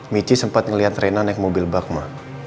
mici sempat ngeliat rena naik mobil bak ma